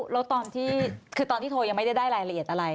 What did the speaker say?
แล้วตอนที่โทรยังไม่ได้รายละเอียดอะไร